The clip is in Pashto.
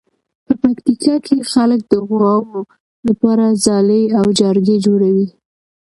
په پکتیکا کې خلک د غواوو لپاره څالې او جارګې جوړوي.